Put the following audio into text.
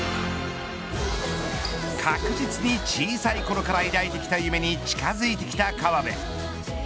確実に小さいころから抱いてきた夢に近づいてきた河辺。